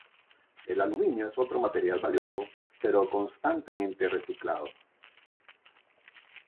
El aluminio es otro material valioso pero constantemente reciclado.